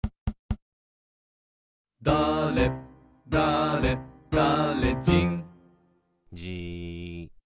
「だれだれだれじん」じーっ。